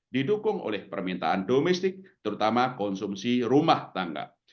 didukung oleh permintaan domestik terutama konsumsi rumah tangga